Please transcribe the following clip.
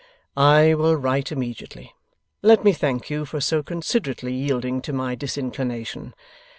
'I will write immediately. Let me thank you for so considerately yielding to my disinclination.